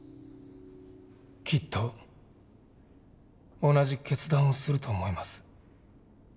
きっと同じ決断をすると思います。